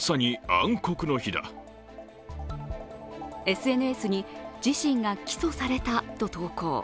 ＳＮＳに自身が起訴されたと投稿。